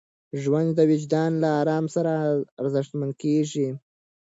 ژوند د وجدان له ارام سره ارزښتمن کېږي.